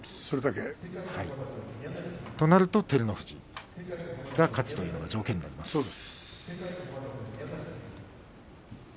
そうなると照ノ富士が勝つということが条件となります。